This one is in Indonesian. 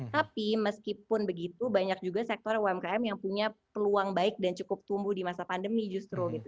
tapi meskipun begitu banyak juga sektor umkm yang punya peluang baik dan cukup tumbuh di masa pandemi justru gitu